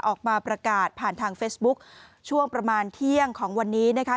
ออกมาประกาศผ่านทางเฟซบุ๊คช่วงประมาณเที่ยงของวันนี้นะคะ